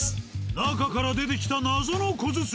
中から出てきた謎の小包。